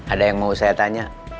ada yang mau saya tanya